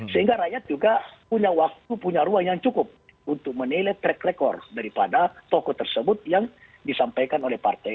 sehingga rakyat juga punya waktu punya ruang yang cukup untuk menilai track record daripada tokoh tersebut yang disampaikan oleh partai